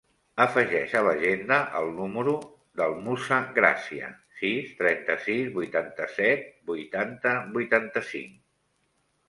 Afegeix a l'agenda el número del Musa Gracia: sis, trenta-sis, vuitanta-set, vuitanta, vuitanta-cinc.